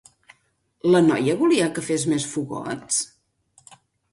La noia volia que fes més fogots?